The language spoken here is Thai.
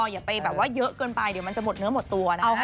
อย่าไปแบบว่าเยอะเกินไปเดี๋ยวมันจะหมดเนื้อหมดตัวนะ